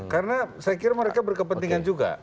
karena saya kira mereka berkepentingan juga